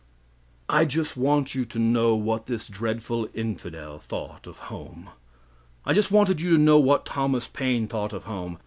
I just want you to know what this dreadful infidel thought of home. I just wanted you to know what Thomas Paine thought of home.